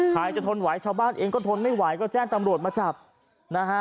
ใครจะทนไหวชาวบ้านเองก็ทนไม่ไหวก็แจ้งตำรวจมาจับนะฮะ